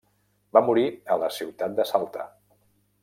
Va morir a la Ciutat de Salta.